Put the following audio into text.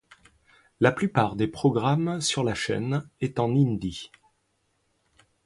La plupart des programmes sur la chaîne est en hindi.